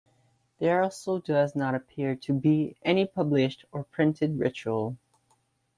There also does not appear to be any published or printed ritual.